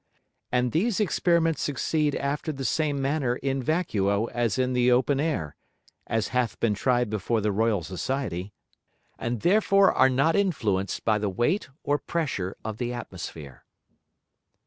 And these Experiments succeed after the same manner in vacuo as in the open Air, (as hath been tried before the Royal Society,) and therefore are not influenced by the Weight or Pressure of the Atmosphere.